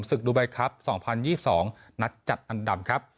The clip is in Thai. ศึกดูใบครับสองพันยี่สิบสองนัดจัดอันดับครับ